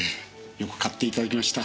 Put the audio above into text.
よく買っていただきました。